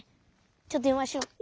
ちょっでんわしよ。